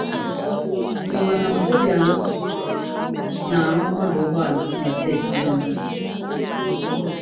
Gọvanọ Obianọ na-arụ ọdụ ụgbọelu na steeti Anambra